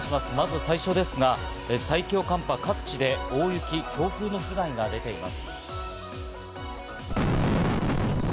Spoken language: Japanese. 最初ですが、最強寒波は各地で大雪、強風の被害が出ています。